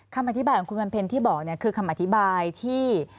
คำอธิบายของคุณวันเพ็ญที่บอกคือคำอธิบายที่